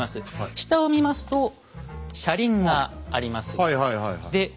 下を見ますと車輪があります。